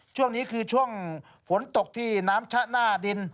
ช่วงนี้คือช่วงฝนตกที่น้ำชะหน้าดิน